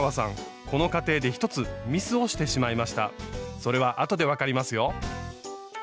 それは後で分かりますよ。